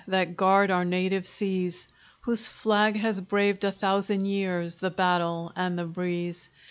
That guard our native seas; Whose flag has braved, a thousand years, The battle and the breeze!